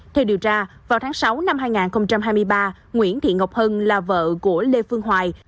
theo điều tra vào tháng sáu năm hai nghìn hai mươi ba nguyễn thị ngọc hân là vợ của lê phương hoài